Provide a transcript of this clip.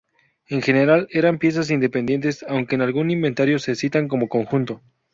En general eran piezas independientes aunque en algún inventario se citan como conjunto.